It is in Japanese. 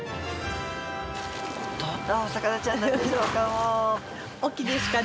どんなお魚ちゃんなんでしょうか？